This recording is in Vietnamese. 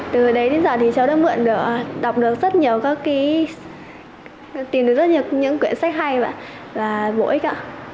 từ đấy đến giờ thì cháu đã mượn được đọc được rất nhiều các cái tìm được rất nhiều những quyển sách hay và bổ ích